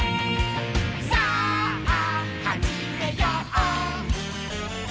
「さあはじめよう」